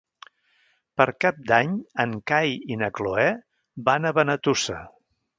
Per Cap d'Any en Cai i na Cloè van a Benetússer.